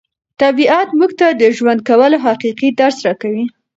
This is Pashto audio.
طبیعت موږ ته د ژوند کولو حقیقي درس راکوي.